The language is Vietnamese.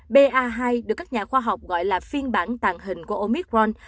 ba hai được các nhà khoa học gọi là phiên bản tàn hình của omicron